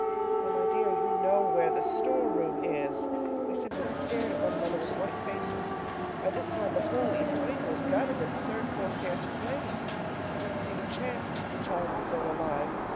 Well, my dear, you know where the store room is! We simply stared at one another with white faces. By this time the whole east wing was gutted and the third floor stairs in flames. There didn't seem a chance that the child was still alive.